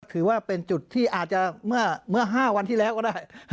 ถือว่าเป็นจุดที่อาจจะเมื่อ๕วันที่แล้วก็ได้